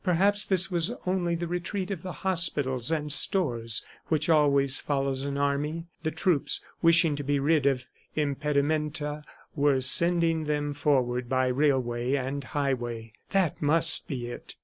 Perhaps this was only the retreat of the hospitals and stores which always follows an army. The troops, wishing to be rid of impedimenta, were sending them forward by railway and highway. That must be it.